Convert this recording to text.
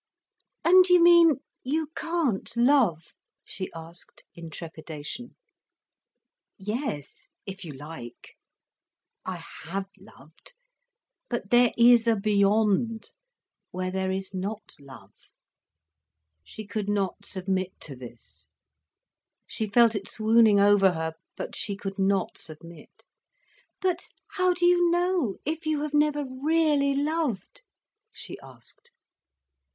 "And you mean you can't love?" she asked, in trepidation. "Yes, if you like. I have loved. But there is a beyond, where there is not love." She could not submit to this. She felt it swooning over her. But she could not submit. "But how do you know—if you have never really loved?" she asked.